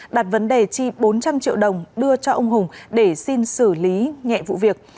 đặt vấn đề chi bốn trăm linh triệu đồng đưa cho ông hùng để xin xử lý nhẹ vụ việc